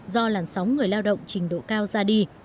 do làn sóng người lao động trình độ cao ra đi